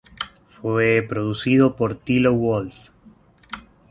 Fue producido por Tilo Wolff.